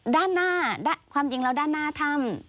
ด้านหน้าความจริงแล้วด้านหน้าถ้ำ